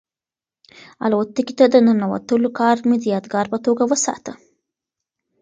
الوتکې ته د ننوتلو کارډ مې د یادګار په توګه وساته.